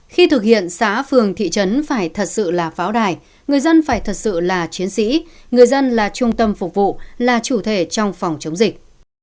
khi thực hiện xã phường thị trấn phải thật sự là pháo đài người dân phải thật sự là chiến sĩ người dân là trung tâm phục vụ là chủ thể trong phòng chống dịch